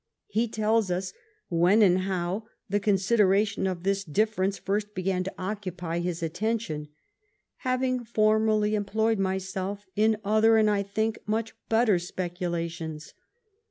He tells us when and how the consideration of this dif ference first began to occupy his attention, "having formerly employed myself in other, and, I think, much better speculations."